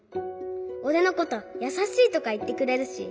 おれのこと「やさしい」とかいってくれるし。